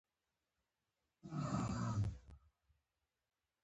باندې بوخت و، د سر پړکمشر کوسۍ مې دوه ټوټې کړه.